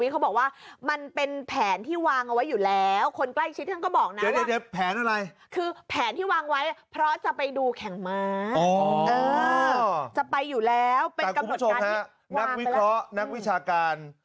ก็พูดไปแต่จริงพุนเอกบราวิทเขาบอกว่า